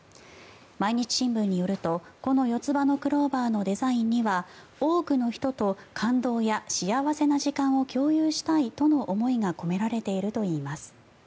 毎日新聞によるとこの四つ葉のクローバーのデザインには多くの人と、感動や幸せな時間を共有したいとの思いが込められているといいます。